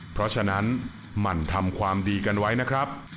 เพราะฉะนั้นหมั่นทำความดีกันไว้นะครับ